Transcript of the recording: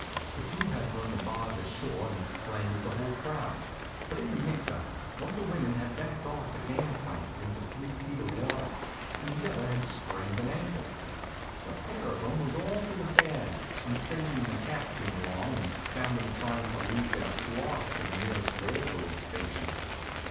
The crew had run the barge ashore and landed the whole crowd, but in the mix up one of the women had backed off the gangplank into three feet of water, and the other had sprained an ankle. The pair of 'em was all to the bad when Sadie and the Cap came along and found 'em tryin' to lead their flock to the nearest railroad station.